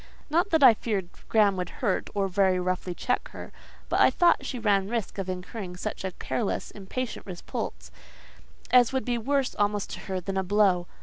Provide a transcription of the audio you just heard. Not that I feared Graham would hurt, or very roughly check her; but I thought she ran risk of incurring such a careless, impatient repulse, as would be worse almost to her than a blow.